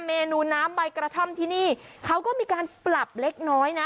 เมนูน้ำใบกระท่อมที่นี่เขาก็มีการปรับเล็กน้อยนะ